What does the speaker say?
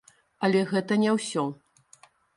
Але гэта не ўсё!